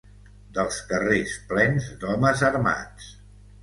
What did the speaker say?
Dels carrers plens d'homes armats